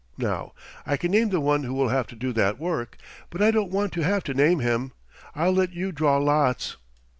Now, I can name the one who will have to do that work. But I don't want to have to name him. I'll let you draw lots."